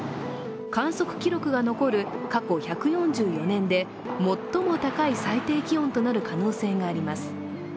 観測記録が残る過去１４４年で最も高い最低気温となる可能性があります。